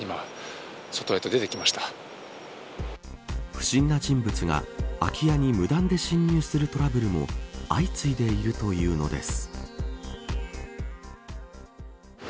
不審な人物が空き家に無断で侵入するトラブルも相次いでいるというのです。